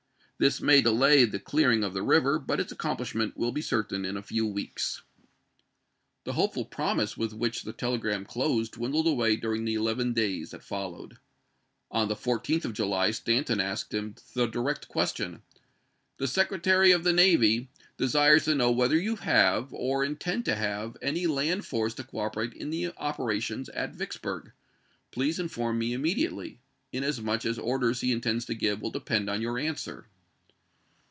This may delay the seCTe?a% clearing of the river, but its accomplishment will Navy! be certain in a few weeks." The hopeful promise with which the telegram closed dwindled away during the eleven days that followed. On the 14th of July Stanton asked him the direct question :" The Secretary of the Navy 350 ABRAHAM LINCOLN Chap. XIX. desires to know whether you have, or intend to have, any land force to cooperate in the operations at Vicksburg. Please inform me immediately, in asmuch as orders he intends to give will depend on your answer."